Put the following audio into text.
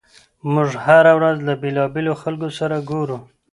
موږ هره ورځ له بېلابېلو خلکو سره ګورو.